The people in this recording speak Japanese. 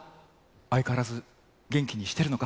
相変わらず元気にしてるのか？